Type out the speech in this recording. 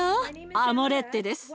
アモレッテです。